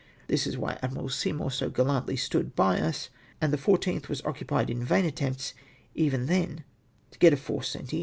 This was why Admiral Seymour so gallantly stood by us, and the 14th was occupied in vain attempts even then to get a foi'cc sent hi.